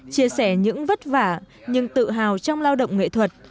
chia sẻ những vất vả nhưng tự hào trong lao động nghệ thuật